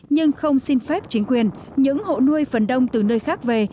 nhưng không xin phép chính quyền những hộ nuôi phần đông từ nơi khác về